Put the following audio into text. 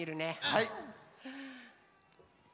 はい。